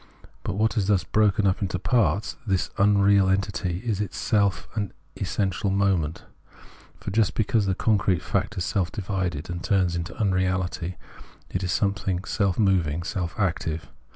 But what is thus broken up into parts, this imreal entity, is itself an essential moment ; for just because the concrete fact is self divided, and turns into unxeahty, it is something self moving, self active.